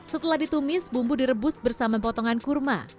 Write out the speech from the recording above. setelah ditumis bumbu direbus bersama potongan kurma